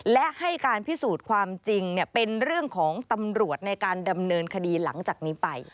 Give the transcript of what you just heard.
และให้การพิสูจน์ความจริงเป็นเรื่องของตำรวจในการดำเนินคดีหลังจากนี้ไป